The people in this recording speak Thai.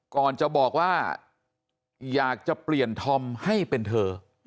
ก่อนจะบอกว่าอยากจะเปลี่ยนธอมให้เป็นเธอ